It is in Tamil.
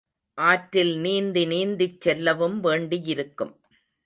ஆற்றில் நீந்தி நீந்திச் செல்லவும் வேண்டியிருக்கும்.